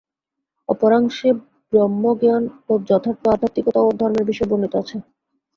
অপরাংশে ব্রহ্মজ্ঞান ও যথার্থ আধ্যাত্মিকতা ও ধর্মের বিষয় বর্ণিত আছে।